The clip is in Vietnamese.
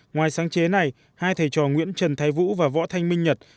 ngoài sáng chế này hai thầy trò nguyễn trần thái vũ và võ thanh minh nhật